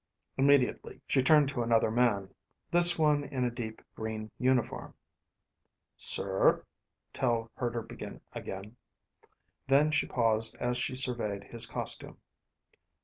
Immediately she turned to another man, this one in a deep green uniform. "Sir," Tel heard her begin. Then she paused as she surveyed his costume.